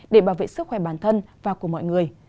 để bảo vệ sức khỏe bản thân và của mọi người